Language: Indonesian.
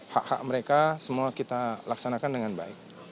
hak hak mereka semua kita laksanakan dengan baik